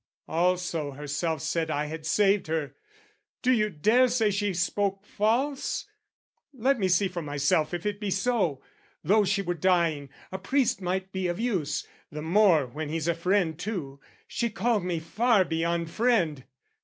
Also herself said I had saved her: do you dare say she spoke false? Let me see for myself if it be so! Though she were dying, a priest might be of use, The more when he's a friend too, she called me Far beyond "friend."